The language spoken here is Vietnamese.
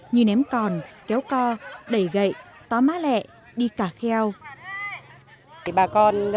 như ném còn kéo co đẩy gậy tó má lẹ đi cả kheo